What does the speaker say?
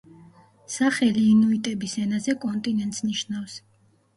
სახელი ინუიტების ენაზე „კონტინენტს“ ნიშნავს.